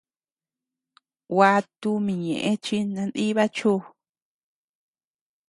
Gua tumi ñeʼe chi nandiba chu.